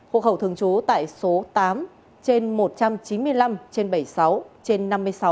hộ khẩu thường trú tại số tám trên một trăm chín mươi năm trên bảy mươi sáu trên năm mươi sáu